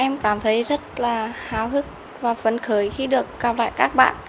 em cảm thấy rất là hào hức và phấn khởi khi được gặp lại các bạn